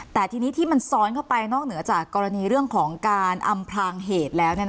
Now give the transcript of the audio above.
แต่ทีนี้ที่มันซ้อนเข้าไปนอกเหนือจากกรณีเรื่องของการอำพลางเหตุแล้ว